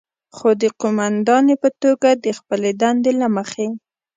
خو د قوماندانې په توګه د خپلې دندې له مخې،